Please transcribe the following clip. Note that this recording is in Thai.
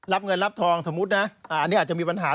รับเงินรับทองสมมุตินะอันนี้อาจจะมีปัญหา